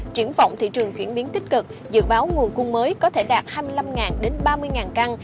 triển vọng thị trường chuyển biến tích cực dự báo nguồn cung mới có thể đạt hai mươi năm đến ba mươi căn